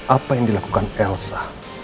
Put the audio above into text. apa yang dilakukan elsa